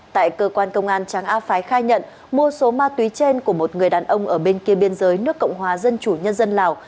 tại cơ quan công an tráng a phái khai nhận mua số ma túy trên của một người đàn ông ở bên kia biên giới nước cộng hòa dân chủ nhân dân lào